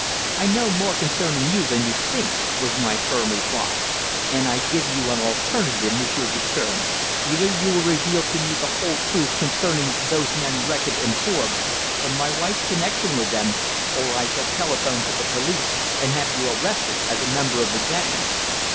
"I know more concerning you than you think," was my firm reply. "And I give you an alternative, Monsieur Guertin. Either you will reveal to me the whole truth concerning those men Reckitt and Forbes and my wife's connection with them, or I shall telephone to the police, and have you arrested as a member of the gang."